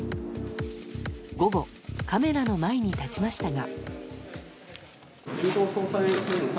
午後、カメラの前に立ちましたが。